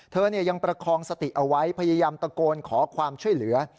เธอยังประคองสติเอาไว้พยายามตะโกนขอความช่วยเหลือ